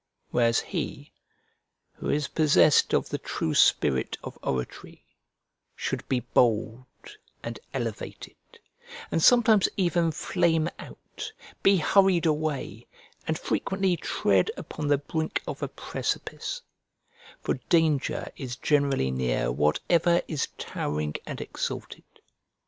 Whereas he, who is possessed of the true spirit of oratory, should be bold and elevated, and sometimes even flame out, be hurried away, and frequently tread upon the brink of a precipice: for danger is generally near whatever is towering and exalted.